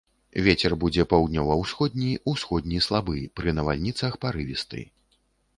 Вецер будзе паўднёва-ўсходні, усходні слабы, пры навальніцах парывісты.